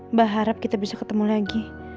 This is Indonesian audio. mbak harap kita bisa ketemu lagi